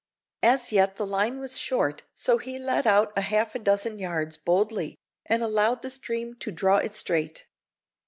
As yet the line was short, so he let out half a dozen yards boldly, and allowed the stream to draw it straight.